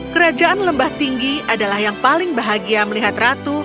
kerajaan lembah tinggi adalah yang paling bahagia melihat ratu